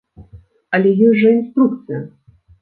Але ёсць жа інструкцыя!